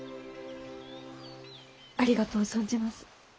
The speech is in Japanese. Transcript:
ありがとう存じます。